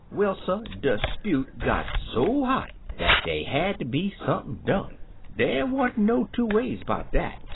"Well, suh, de 'spute got so hot dat dey had ter be siunp'n done — dey wasn't no two ways 'bout dat.